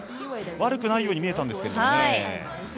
悪くないように見えたんですが。